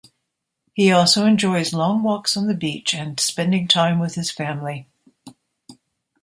He also enjoys long walks on the beach and spending time with his family.